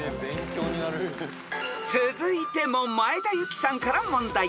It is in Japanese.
［続いても前田有紀さんから問題］